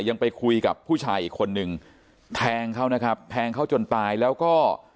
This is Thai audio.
ยังไปคุยกับผู้ชายอีกคนนึงแทงเขานะครับแทงเขาจนตายแล้วก็